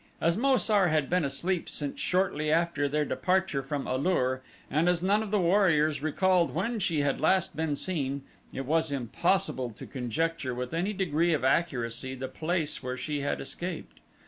As Mo sar had been asleep since shortly after their departure from A lur, and as none of the warriors recalled when she had last been seen, it was impossible to conjecture with any degree of accuracy the place where she had escaped.